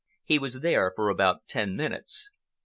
He was there for about ten minutes.